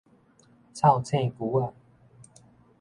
臭腥龜仔